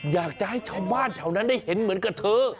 อยากจะให้ชาวบ้านแถวนั้นได้เห็นเหมือนกับเธอ